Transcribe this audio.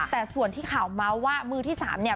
แต่ส่วนที่ข่าวเมาส์ว่ามือที่๓เนี่ย